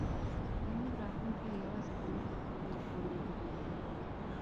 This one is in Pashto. زموږ راتلونکی یوازې د لوبو کولو پورې محدود و